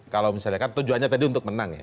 kalau misalnya kan tujuannya tadi untuk menang ya